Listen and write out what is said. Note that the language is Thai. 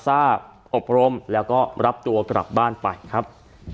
อบรมแล้วก็รับตัวกลับบ้านไปครับ